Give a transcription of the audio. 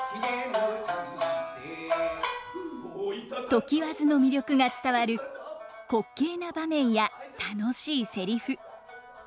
常磐津の魅力が伝わる滑稽な場面や楽しいセリフ。